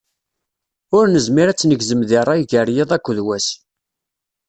Ur nezmir ad tt-negzem di rray gar yiḍ akkeḍ wass.